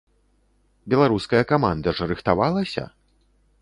Беларуская каманда ж рыхтавалася?